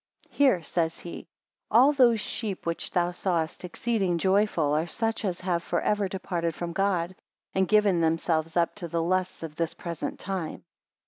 Hear, says he; all those sheep which thou sawest exceeding joyful, are such as have for ever departed from God, and given selves up to the lusts of this present time.